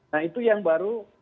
nah itu yang baru